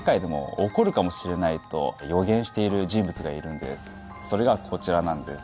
何とそれがこちらなんです